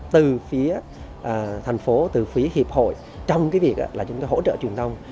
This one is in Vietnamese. từ phía thành phố từ phía hiệp hội trong việc hỗ trợ truyền thông